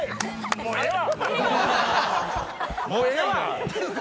もうええわ！